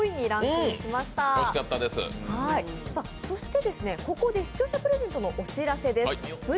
そしてここで視聴者プレゼントのお知らせです。